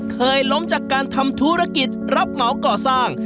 เคยล้มจากการทำธุรกิจรับเหมาก่อสร้าง